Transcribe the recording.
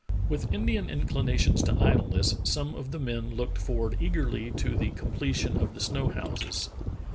With Indian inclinations to idleness, some of the men looked forward eagerl}^ to the completion of the snow houses.